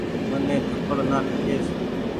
مني ٿپڙ نآ ٺوڪيس ۔